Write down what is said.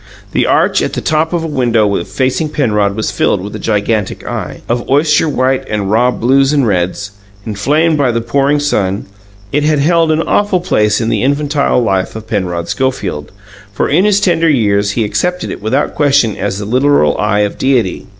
The arch at the top of a window facing Penrod was filled with a gigantic Eye. Of oyster white and raw blues and reds, inflamed by the pouring sun, it had held an awful place in the infantile life of Penrod Schofield, for in his tenderer years he accepted it without question as the literal Eye of Deity.